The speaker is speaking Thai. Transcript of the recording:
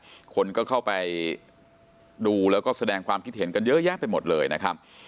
คนก็เข้าไปดูแล้วก็แสดงความคิดเห็นกันเยอะแยะไปหมดเลยนะครับ